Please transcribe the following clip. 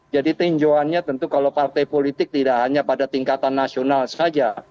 jadi tinjuannya tentu kalau partai politik tidak hanya pada tingkatan nasional saja